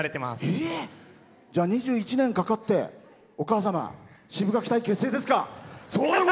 じゃあ２１年かかってお母さんがシブがき隊結成ですか。